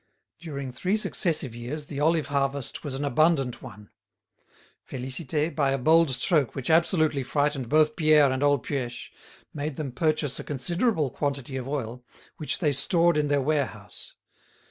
During three successive years the olive harvest was an abundant one. Félicité, by a bold stroke which absolutely frightened both Pierre and old Puech, made them purchase a considerable quantity of oil, which they stored in their warehouse.